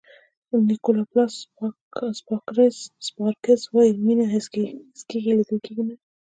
نیکولاس سپارکز وایي مینه حس کېږي لیدل کېږي نه.